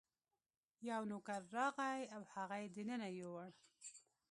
یو نوکر راغی او هغه یې دننه یووړ.